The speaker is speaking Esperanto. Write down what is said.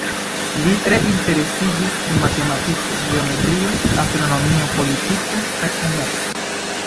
Li tre interesiĝis pri matematiko, geometrio, astronomio, politiko, kaj komerco.